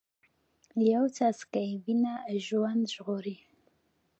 یو څاڅکی وینه ژوند ژغوري